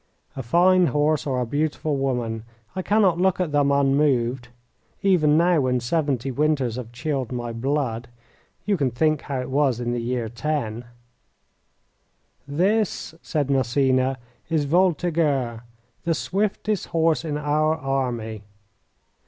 A fine horse or a beautiful woman I cannot look at them unmoved, even now when seventy winters have chilled my blood. You can think how it was in the year '10. "This," said Massena, "is Voltigeur, the swiftest horse in our army.